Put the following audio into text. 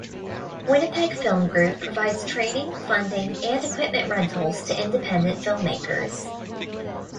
Winnipeg Film Group provides training, funding, and equipment rentals to independent filmmakers.